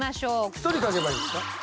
１人書けばいいんですか？